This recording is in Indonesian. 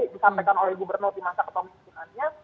disampaikan oleh gubernur di masa kepemimpinannya